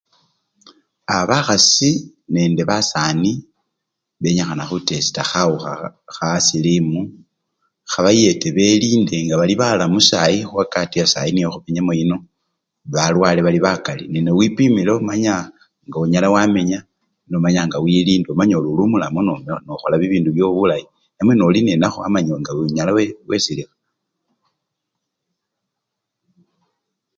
A! bakhasi nende basanibenyikhana khutesita khawukha khasilimu khabayete belinde nga bali balamu sayi khuwakati yasayi niyokhulimo yino, balwale bali bakali, nenowipimile omanya ngonyala wamenya nomanya nga wilinda, ngoli omulamu nokhola bibindu byowo bulayi namwe ngoli nenakho wamanya nga no! onyala wesilikha.